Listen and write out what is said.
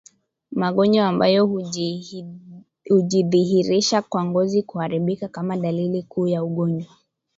Magonjwa ambayo hujidhihirisha kwa ngozi kuharibika kama dalili kuu ya ugonjwa